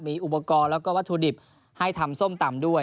มีอุปกรณ์แล้วก็วัตถุดิบให้ทำส้มตำด้วย